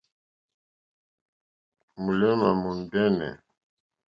Méǃémà mòndɛ́nɛ̀.